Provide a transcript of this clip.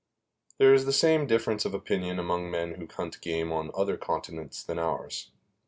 There is the same difference of opinion among men who hunt game on other continents than ours.